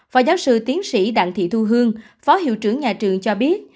phó giáo sư tiến sĩ đặng thị thu hương phó hiệu trưởng nhà trường cho biết